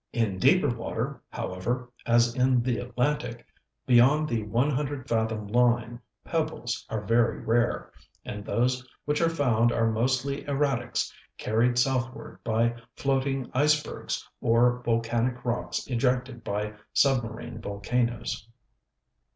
In deeper water, however, as in the Atlantic, beyond the 100 fathom line pebbles are very rare, and those which are found are mostly erratics carried southward by floating icebergs, or volcanic rocks ejected by submarine volcanoes.